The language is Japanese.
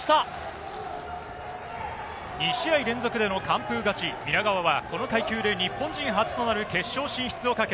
２試合連続での完封勝ち、皆川はこの階級で日本人初となる決勝進出をかけ